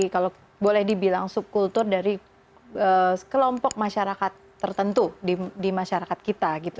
kalau boleh dibilang subkultur dari kelompok masyarakat tertentu di masyarakat kita gitu